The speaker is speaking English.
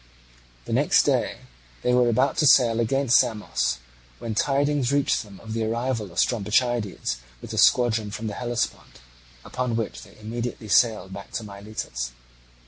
The next day they were about to sail against Samos, when tidings reached them of the arrival of Strombichides with the squadron from the Hellespont, upon which they immediately sailed back to Miletus.